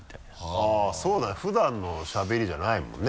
はぁそうだね普段のしゃべりじゃないもんね。